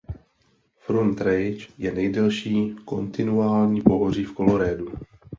Front Range je nejdelší kontinuální pohoří v Coloradu.